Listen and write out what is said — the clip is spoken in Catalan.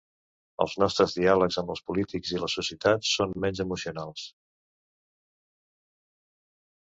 Els nostres diàlegs amb els polítics i la societat són menys emocionals.